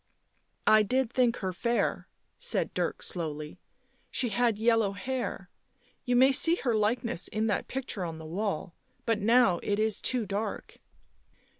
" I did think her fair," said Dirk slowly. " She had yellow hair — you may see her likeness in that picture on the wall. But now it is too dark."